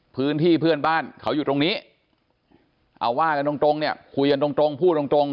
พื้นที่เพื่อนบ้านเขาอยู่ตรงนี้เอาว่ากันตรงเนี่ยคุยกันตรงพูดตรง